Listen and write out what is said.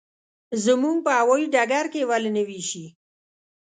زموږ په هوايي ډګر کې یې ولې نه وېشي.